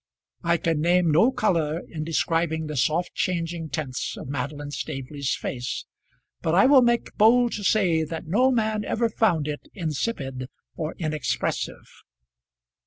I can name no colour in describing the soft changing tints of Madeline Staveley's face, but I will make bold to say that no man ever found it insipid or inexpressive.